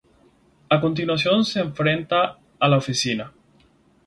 A continuación, se enfrentan a la oficina.